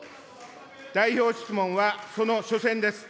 代表質問はその初戦です。